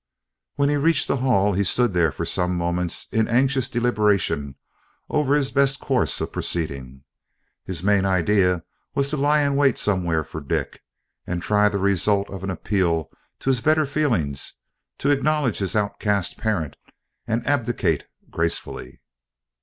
When he reached the hall he stood there for some moments in anxious deliberation over his best course of proceeding. His main idea was to lie in wait somewhere for Dick, and try the result of an appeal to his better feelings to acknowledge his outcast parent and abdicate gracefully.